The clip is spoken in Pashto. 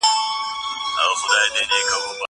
زه کولای سم مينه وښيم!!